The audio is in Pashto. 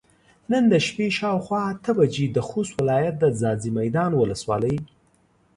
نن د شپې شاوخوا اته بجې د خوست ولايت د ځاځي ميدان ولسوالۍ